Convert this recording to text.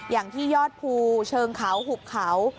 อย่างที่ยอดภูเชิงเขาหุบเขา